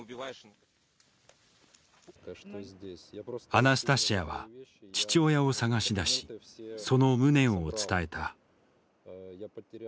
アナスタシヤは父親を捜し出しその無念を伝えた。